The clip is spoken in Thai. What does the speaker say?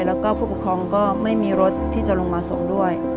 แล้วก็ผู้ปกครองก็ไม่มีรถที่จะลงมาส่งด้วย